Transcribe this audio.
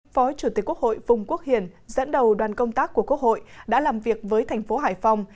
phó chủ tịch quốc hội phùng quốc hiền dẫn đầu đoàn công tác của quốc hội đã làm việc với thành phố hải phòng